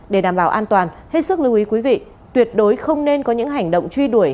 để đảm bảo an toàn hết sức lưu ý quý vị tuyệt đối không nên có những hành động truy đuổi